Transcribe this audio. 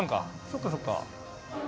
そっかそっか。